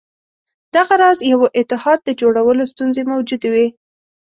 دغه راز یوه اتحاد د جوړولو ستونزې موجودې وې.